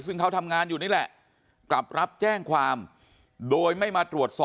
ซึ่งเขาทำงานอยู่นี่แหละกลับรับแจ้งความโดยไม่มาตรวจสอบ